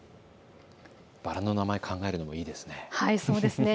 バラの名前を考えるのもいいですね。